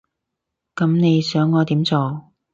噉你想我點做？